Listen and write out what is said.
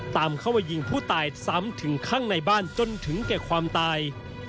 ตามเข้ามายิงผู้ตายซ้ำถึงข้างในบ้านจนถึงแก่ความตาย